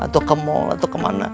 atau ke mall atau kemana